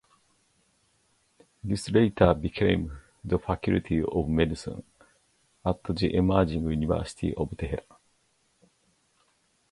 This later became the Faculty of Medicine at the emerging University of Tehran.